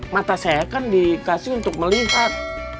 mata saya kan dikasih untuk melihat